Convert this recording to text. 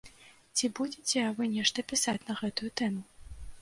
Ці будзеце вы нешта пісаць на гэтую тэму?